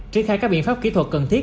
triển khai các biện pháp kỹ thuật cần thiết